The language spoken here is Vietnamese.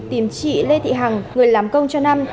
tìm chị lê thị hằng người làm công cho năm